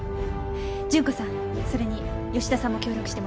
準子さんそれに吉田さんも協力してもらいます。